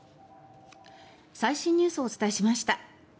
最新ニュースをお伝えしました。